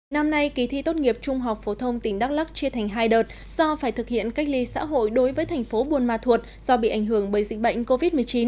năm nay kỳ thi tốt nghiệp trung học phổ thông tỉnh đắk lắc chia thành hai đợt do phải thực hiện cách ly xã hội đối với thành phố buôn ma thuột do bị ảnh hưởng bởi dịch bệnh covid một mươi chín